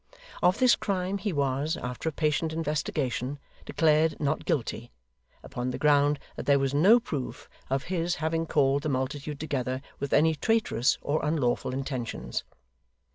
Of this crime he was, after a patient investigation, declared Not Guilty; upon the ground that there was no proof of his having called the multitude together with any traitorous or unlawful intentions.